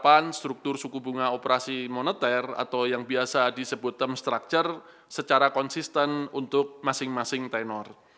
penerapan struktur suku bunga operasi moneter atau yang biasa disebut term structure secara konsisten untuk masing masing tenor